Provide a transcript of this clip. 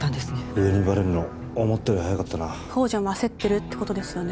上にバレるの思ったより早かったな宝条も焦ってるってことですよね